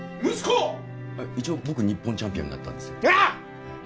一応僕日本チャンピオンになったんですけど。